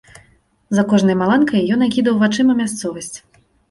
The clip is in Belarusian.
За кожнай маланкай ён акідаў вачыма мясцовасць.